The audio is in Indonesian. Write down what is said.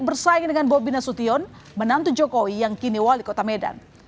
bersaing dengan bobi nasution menantu jokowi yang kini wali kota medan